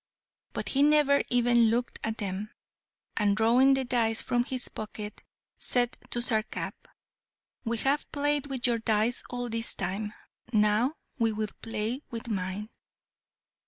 But he never even looked at them, and drawing the dice from his pocket, said to Sarkap, "We have played with your dice all this time; now we will play with mine."